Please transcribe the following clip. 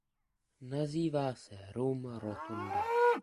Nazývá se rum rotunda.